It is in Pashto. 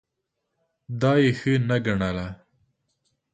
دا یې ښه نه ګڼله.